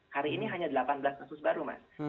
hari ini hanya delapan belas kasus baru mas